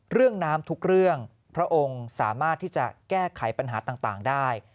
เรื่องน้ำทุกเรื่องพระองค์สามารถที่จะแก้ไขปัญหาต่างได้